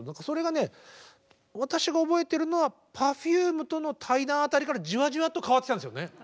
それがね私が覚えてるのはＰｅｒｆｕｍｅとの対談辺りからじわじわと変わってきたんですよね。